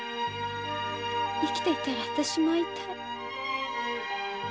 生きていたら私も会いたい。